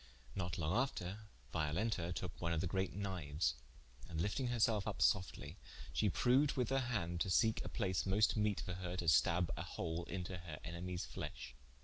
Not long after, Violenta toke one of the great knifes, and lifting her selfe vp softlye, she proued with her hand, to seke a place most meete for her to stabbe a hole into her enemies fleshe.